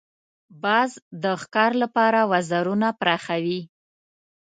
باز د ښکار لپاره وزرونه پراخوي